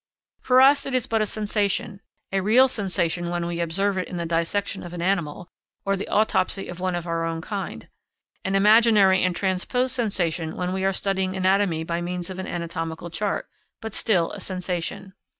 For us it is but a sensation, a real sensation when we observe it in the dissection of an animal, or the autopsy of one of our own kind; an imaginary and transposed sensation, when we are studying anatomy by means of an anatomical chart; but still a sensation.